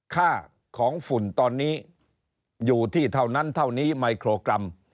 ค่าของฝุ่นตอนนี้อยู่ที่เท่านั้นเท่านี้ไมโครกรัม